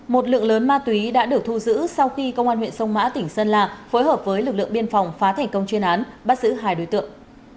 một lượng lớn ma túy đã được thu giữ sau khi công an huyện sông mã tỉnh sơn la phối hợp với lực lượng biên phòng phá thành công chuyên án bắt giữ hai đối tượng